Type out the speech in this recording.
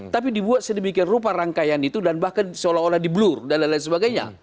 tapi dibuat sedemikian rupa rangkaian itu dan bahkan seolah olah di blur dan lain lain sebagainya